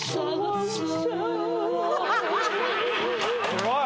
すごい。